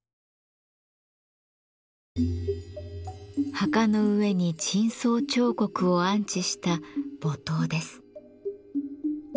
墓の上に頂相彫刻を安置した墓塔です。